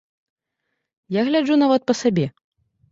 Я гляджу нават па сабе.